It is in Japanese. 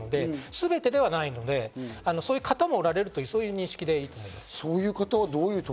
すべてではないのでそういう方もおられるという認識でいいと思います。